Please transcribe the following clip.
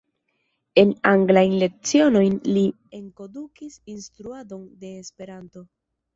En anglajn lecionojn li enkondukis instruadon de Esperanto.